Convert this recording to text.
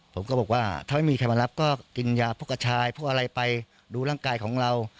ผมก็บอกว่าถ้าไม่มีใครมารับก็กินยาพวกกระชายพวกอะไรไปดูร่างกายของเรา